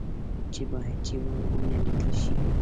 چې باید چي و نه لیکل شي